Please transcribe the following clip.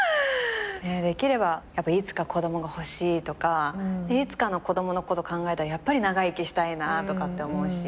できればやっぱいつか子供が欲しいとかいつかの子供のこと考えたらやっぱり長生きしたいなとかって思うし。